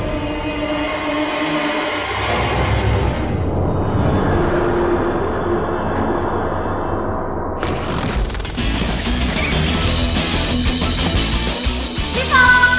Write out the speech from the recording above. พี่โฟน